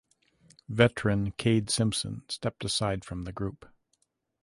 Veteran Kade Simpson stepped aside from the group.